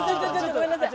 ごめんなさい。